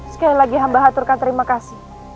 sekali lagi hamba aturkan terima kasih